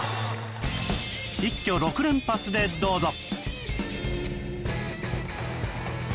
一挙６連発でどうぞ！